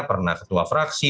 pernah ketua fraksi